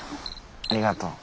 ありがとう。